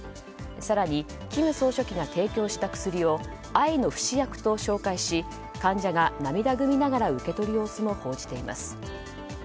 更に、金総書記が提供した薬を愛の不死薬と紹介し患者が涙ぐみながら受け取る様子も報じています。